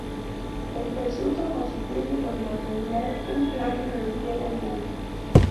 El presupuesto constituye, por lo regular, un plan financiero anual.